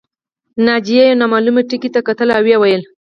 ناجیې یو نامعلوم ټکي ته کتل او ویې ویل